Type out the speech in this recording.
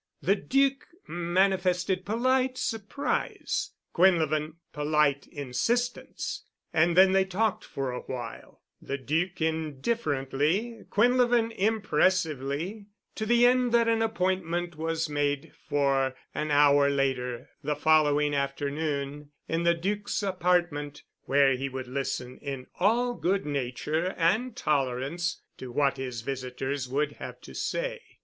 The Duc manifested polite surprise, Quinlevin polite insistence, and then they talked for awhile, the Duc indifferently, Quinlevin impressively,—to the end that an appointment was made for an hour later the following afternoon in the Duc's apartment, where he would listen in all good nature and tolerance to what his visitors would have to say.